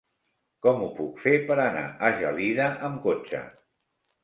Com ho puc fer per anar a Gelida amb cotxe?